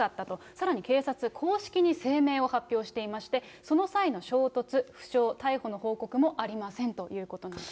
さらに警察、公式に声明を発表していまして、その際の衝突、負傷、逮捕の報告もありませんということなんです。